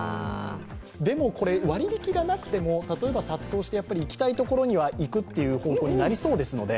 でもこれ、割引がなくても殺到して行きたいところには行くという方向になりそうですので